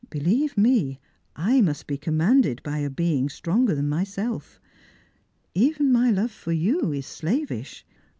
Believe me, I must be commanded by a being stronger than myself. Even my love for you is. slavish.